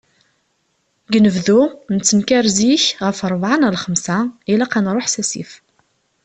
Deg unebdu, nettenkar zik, ɣef rrebɛa neɣ lxemsa, ilaq ad nṛuḥ s asif.